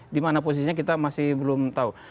di mana posisinya kita masih belum tahu